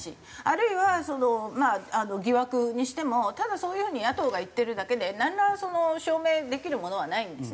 あるいはまあ疑惑にしてもただそういう風に野党が言ってるだけでなんら証明できるものはないんですね。